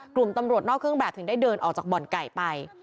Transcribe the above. กลุ่มตำรวจนอกเครื่องแบบถึงได้เดินออกจากบ่อนไก่ไป